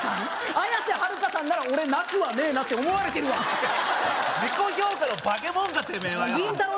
綾瀬はるかさんなら俺なくはねえなって思われてるわ自己評価のバケモンかてめえはよりんたろー。